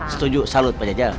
setuju salud pak jajang